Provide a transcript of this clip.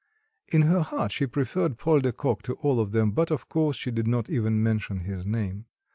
In her heart she preferred Paul de Kock to all of them, but of course she did not even mention his name.